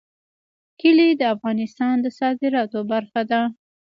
کلي د افغانستان د صادراتو برخه ده.